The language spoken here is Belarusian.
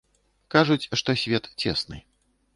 Кажуць, што свет цесны.